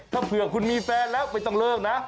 ถ้าเผื่อคุณมีแฟนแล้วไม่ต้องเลิกนะ